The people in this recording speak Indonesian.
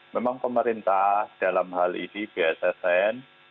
memang pemerintah dalam hal ini bssn